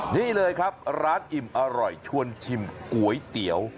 นี่เลยครับร้านอิ่มอร่อยชวนชิมก๋วยเตี๋ยว